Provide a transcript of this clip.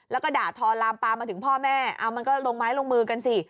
แล้วก็ด่าทอลามปลามาถึงพ่อแม่เอามันก็ลงไม้ลงมือกันสิ